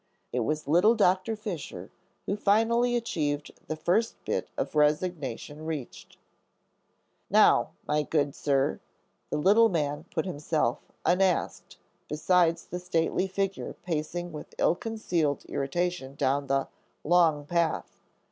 It was little Doctor Fisher who finally achieved the first bit of resignation reached. "Now, my good sir;" the little man put himself, unasked, beside the stately figure pacing with ill concealed irritation down the "long path."